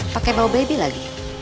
pakai bau bebi lagi